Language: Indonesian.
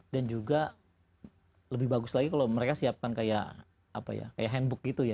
dan juga lebih bagus lagi kalau mereka siapkan kayak handbook gitu ya